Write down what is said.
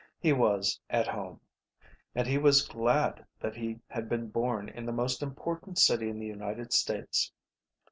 He was at home. And he was glad that he had been born in the most important city in the United States.